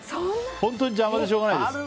本当に邪魔でしょうがないです。